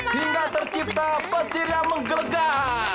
hingga tercipta petir yang menggeledah